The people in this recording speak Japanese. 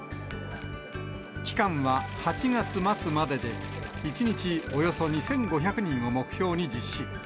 期間は８月末までで、１日およそ２５００人を目標に実施。